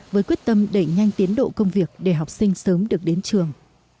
với quyết tâm đẩy nhanh tiến độ công việc để học sinh sớm được đến trường